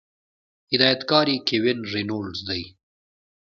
هدايتکار ئې Kevin Reynolds دے